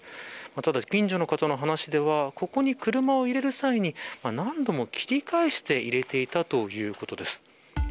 ただ、近所の方の話ではここに車を入れる際に何度も切り返して入れていたということです。